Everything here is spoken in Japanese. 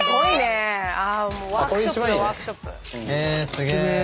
すげえ。